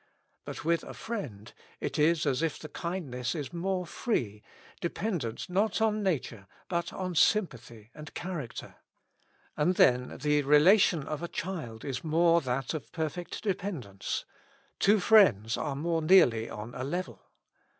But with a friend it is as if the kindness is more free, dependent, not on nature, but on sym pathy and character. And then the relation of a 5 65 With Christ in the School of Prayer. child is more that of perfect dependence ; two friends are more nearly on a level.